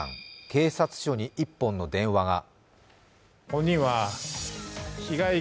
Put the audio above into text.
警察署に１本の電話が。